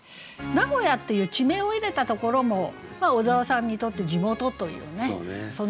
「名古屋」っていう地名を入れたところも小沢さんにとって地元というねその嬉しさがありますよね。